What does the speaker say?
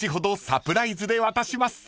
サプライズで渡します］